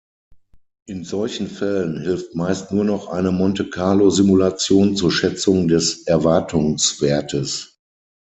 In solchen Fällen hilft meist nur noch eine Monte-Carlo-Simulation zur Schätzung des Erwartungswertes.